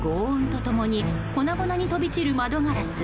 轟音と共に粉々に飛び散る窓ガラス。